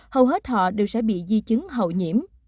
hầu hết họ đều sẽ bị di chứng hậu nhiễm